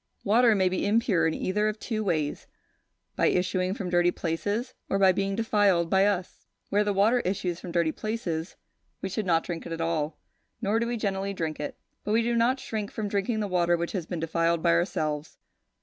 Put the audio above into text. Water may be impure in either of two ways, by issuing from dirty places, or by being defiled by us. Where the water issues from dirty places, we should not drink it at all; nor do we generally drink it. But we do not shrink from drinking the water which has been defiled by ourselves.